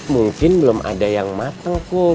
mungkin belum ada yang mateng kum